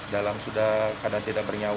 dalam sudah keadaan tidak bernyawa